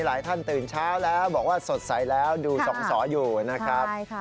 หลายท่านตื่นเช้าแล้วบอกว่าสดใสแล้วดูสองสออยู่นะครับ